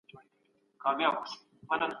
ټولنيز علوم له ټولنيزو چارو سره اړيکه لري.